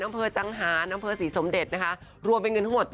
อำเภอจังหารอำเภอศรีสมเด็จนะคะรวมเป็นเงินทั้งหมด